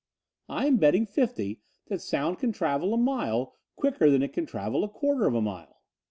"I'm betting fifty that sound can travel a mile quicker than it can travel a quarter of a mile."